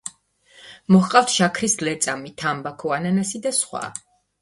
მოჰყავთ შაქრის ლერწამი, თამბაქო, ანანასი და სხვა.